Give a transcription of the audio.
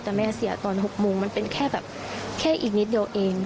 แต่แม่เสียตอน๖โมงมันเป็นแค่แบบแค่อีกนิดเดียวเอง